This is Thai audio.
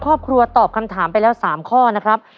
ครอบครัวตอบคำถามไปแล้ว๓ข้อนะครับ